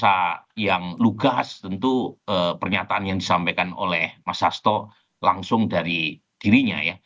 rasa yang lugas tentu pernyataan yang disampaikan oleh mas hasto langsung dari dirinya ya